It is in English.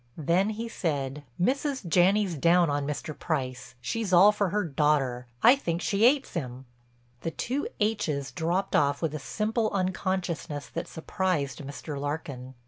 Then he said: "Mrs. Janney's down on Mr. Price. She's all for her daughter. I think she 'ates 'im." The two h's dropped off with a simple unconsciousness that surprised Mr. Larkin.